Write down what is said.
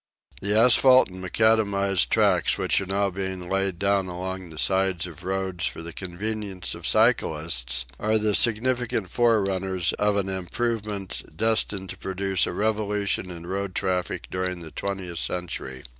The asphalt and macadamised tracks which are now being laid down along the sides of roads for the convenience of cyclists, are the significant forerunners of an improvement destined to produce a revolution in road traffic during the twentieth century.